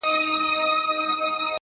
راته شله دی _ وای گيتا سره خبرې وکړه _